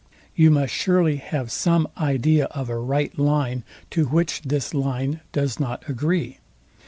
You must surely have some idea of a right line, to which this line does not agree.